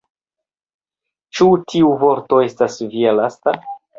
Ĉu tiu vorto estas via lasta?